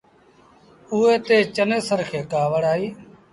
اُئي تي چنيسر کي ڪآوڙ آئيٚ۔